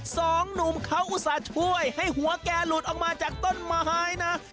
สองหนุ่มเขาอุตส่าห์ช่วยให้หัวแกหลุดออกมาจากต้นไม้นะ